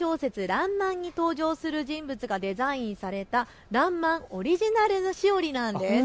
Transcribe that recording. らんまんに登場する人物がデザインされたらんまんオリジナルしおりなんです。